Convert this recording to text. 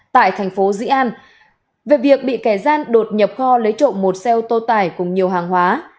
tại thành phố dĩ an về việc bị kẻ gian đột nhập kho lấy trộm một xe ô tô tải cùng nhiều hàng hóa